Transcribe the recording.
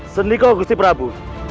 sendiko gusti prabu